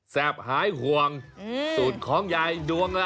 แซ่บหายห่วงสูตรของยายดวงนะเลย